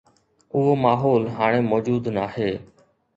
اهو ماحول هاڻي موجود ناهي.